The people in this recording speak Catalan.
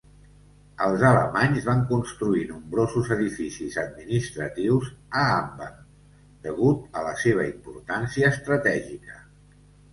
Els alemanys van construir nombrosos edificis administratius a Ambam degut a la seva importància estratègica.